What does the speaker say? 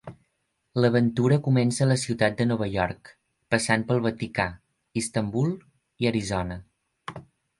L'aventura comença a la ciutat de Nova York, passant pel Vaticà, Istanbul i Arizona.